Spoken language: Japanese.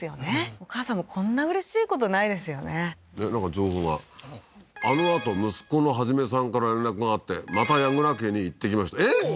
お母さんもこんなうれしいことないですよねなんか情報が「あのあと息子のハジメさんから連絡があってまた矢倉家に行って来ました」えっ？